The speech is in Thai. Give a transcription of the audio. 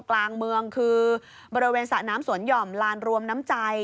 กลางเมืองคือบริเวณสระน้ำสวนหย่อมลานรวมน้ำใจ